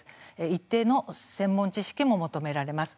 一定の専門知識も求められます。